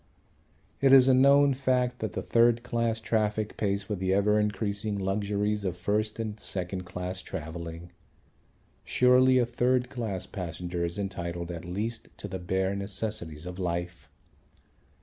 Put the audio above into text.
It is a known fact that the third class traffic pays for the ever increasing luxuries of first and second class travelling. Surely a third class passenger is entitled at least to the bare necessities of life.